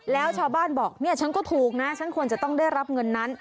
แล้วชาวบ้านบอกเนี่ยฉันก็ถูกนะฉันควรจะต้องได้รับเงินนั้น